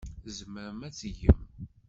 Tzemrem ad t-tgem.